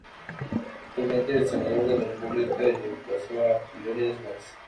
Actualmente es Senador de la República en reemplazo a Leonidas Gómez.